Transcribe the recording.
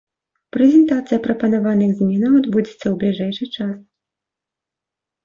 Прэзентацыя прапанаваных зменаў адбудзецца ў бліжэйшы час.